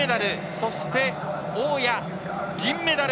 そして大矢、銀メダル。